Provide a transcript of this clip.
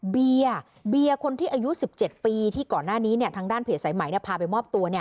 เบียร์เบียร์คนที่อายุ๑๗ปีที่ก่อนหน้านี้ทางด้านเพจสายไหมพาไปมอบตัว